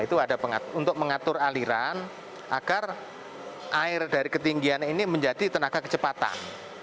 untuk mengatur aliran agar air dari ketinggian ini menjadi tenaga kecepatan